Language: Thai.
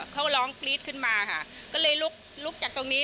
เขาร้องกรี๊ดขึ้นมาค่ะก็เลยลุกลุกจากตรงนี้